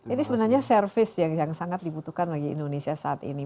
ini sebenarnya service yang sangat dibutuhkan bagi indonesia saat ini